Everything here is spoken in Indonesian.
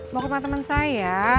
mau ke rumah teman saya